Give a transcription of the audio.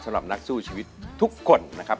สำหรับนักสู้ชีวิตทุกคนนะครับ